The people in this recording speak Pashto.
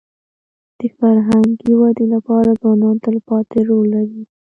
د فرهنګي ودې لپاره ځوانان تلپاتې رول لري.